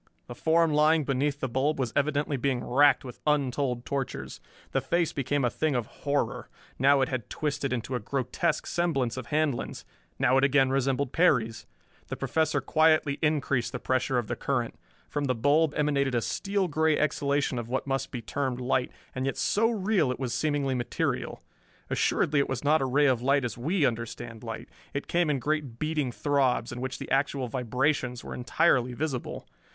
The form lying beneath the bulb was evidently being racked with untold tortures. The face became a thing of horror. Now it had twisted into a grotesque semblance of Handlon's now it again resembled Perry's. The Professor quietly increased the pressure of the current. From the bulb emanated a steel gray exhalation of what must be termed light, and yet so real it was seemingly material. Assuredly it was not a ray of light as we understand light. It came in great beating throbs, in which the actual vibrations were entirely visible.